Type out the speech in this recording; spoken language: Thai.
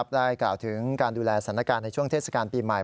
กล่าวถึงการดูแลสถานการณ์ในช่วงเทศกาลปีใหม่